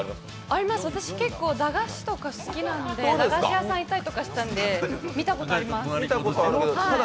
あります、私結構駄菓子とか好きなんで、駄菓子屋さん行ったりとかしていたので、見たことあります。